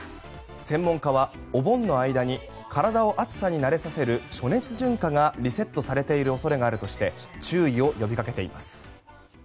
専門家はお盆の間に体を暑さに慣れさせる暑熱順化がリセットされている恐れがあるとして注意を呼びかけています。